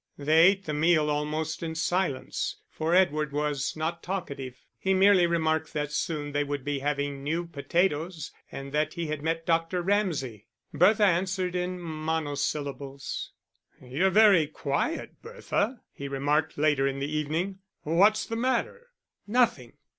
They ate the meal almost in silence, for Edward was not talkative. He merely remarked that soon they would be having new potatoes and that he had met Dr. Ramsay. Bertha answered in mono syllables. "You're very quiet, Bertha," he remarked, later in the evening. "What's the matter?" "Nothing!"